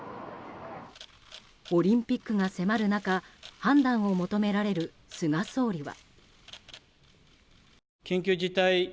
オリンピックが迫る中判断を求められる菅総理は。